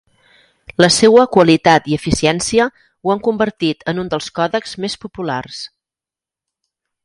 La seua qualitat i eficiència ho han convertit en un dels còdecs més populars.